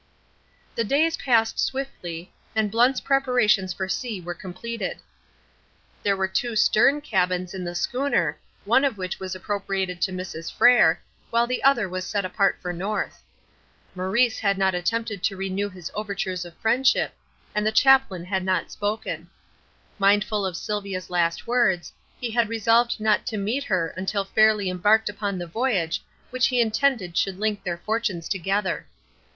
The days passed swiftly, and Blunt's preparations for sea were completed. There were two stern cabins in the schooner, one of which was appropriated to Mrs. Frere, while the other was set apart for North. Maurice had not attempted to renew his overtures of friendship, and the chaplain had not spoken. Mindful of Sylvia's last words, he had resolved not to meet her until fairly embarked upon the voyage which he intended should link their fortunes together.